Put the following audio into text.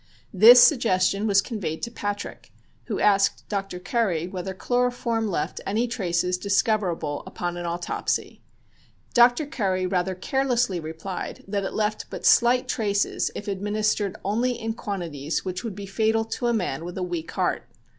This suggestion was conveyed to Patrick, who asked Dr. Curry whether chloroform left any traces discoverable upon an autopsy. Dr. Curry rather carelessly replied that it left but slight traces if administered only in the quantities which would be fatal to a man with a weak heart.